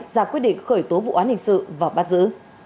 ra quyết định khởi tố vụ án hình sự và bắt giữ